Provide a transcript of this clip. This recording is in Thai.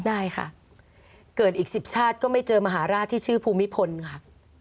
ได้ค่ะเกิดอีกสิบชาติก็ไม่เจอมหาราชที่ชื่อภูมิพลค่ะ